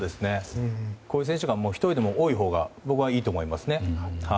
こういう選手が１人でも多いほうがいいと思います。